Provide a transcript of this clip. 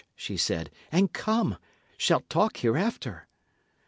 she said, "and come! Shalt talk hereafter."